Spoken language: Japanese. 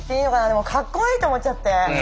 でもかっこいいと思っちゃって。